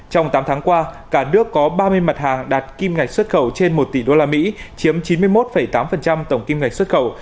trong tám tháng qua cả nước có ba mươi mặt hàng đạt kim ngạch xuất khẩu trên một tỷ usd chiếm chín mươi một tám tổng kim ngạch xuất khẩu